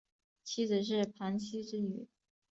妻子是庞羲之女。